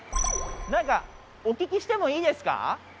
何かお聞きしてもいいですか？